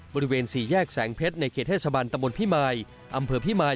บริเวณ๔แยกแสงเพชรในเขตเทศบรรณตมนตร์พิมาย